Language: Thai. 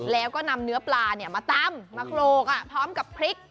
แล้วก็นำเนื้อปลามาตำมาโคลกพร้อมกับพริก